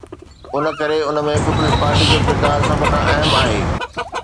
ان ڪري ان ۾ Peoples Party جو ڪردار سڀ کان اهم آهي.